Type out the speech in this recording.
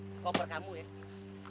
ini koper kamu ya